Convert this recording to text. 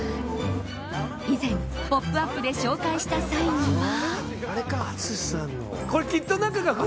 以前、「ポップＵＰ！」で紹介した際には。